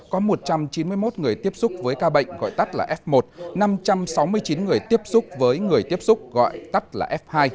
có một trăm chín mươi một người tiếp xúc với ca bệnh gọi tắt là f một năm trăm sáu mươi chín người tiếp xúc với người tiếp xúc gọi tắt là f hai